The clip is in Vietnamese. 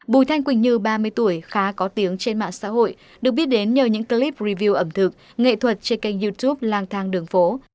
bùi thanh quỳnh như ba mươi tuổi khá có tiếng trên mạng xã hội được biết đến nhờ những clip review ẩm thực nghệ thuật trên kênh youtube lang thang đường phố